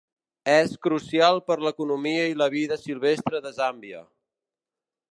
És crucial per l’economia i la vida silvestre de Zàmbia.